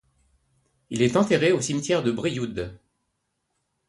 Il est enterré au cimetière de Brioude.